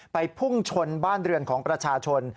พุ่งชนบ้านเรือนของประชาชน